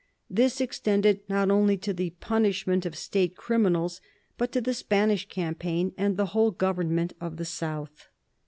This extended not only to the punishment of State criminals, but to the Spanish campaign and the whole government of the south.